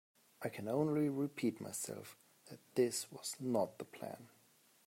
I can only repeat myself that this was not the plan.